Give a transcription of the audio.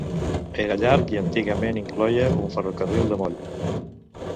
Era llarg i antigament incloïa un ferrocarril de moll.